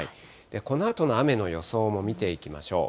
このあとの雨の予想も見ていきましょう。